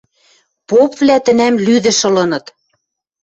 Попвлӓ тӹнӓм лӱдӹш ылыныт.